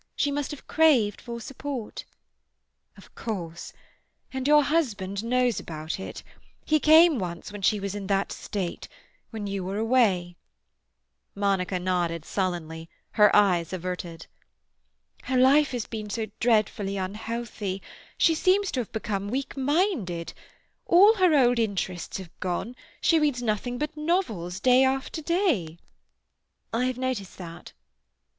She must have craved for support." "Of course. And your husband knows about it. He came once when she was in that state—when you were away—" Monica nodded sullenly, her eyes averted. "Her life has been so dreadfully unhealthy. She seems to have become weak minded. All her old interests have gone; she reads nothing but novels, day after day." "I have noticed that."